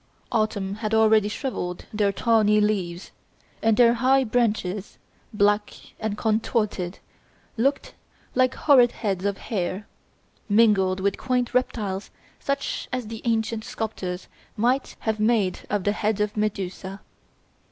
Autumn had already shrivelled their tawny leaves, and their high branches, black and contorted, looked like horrid heads of hair, mingled with quaint reptiles such as the ancient sculptors have made on the head of Medusa.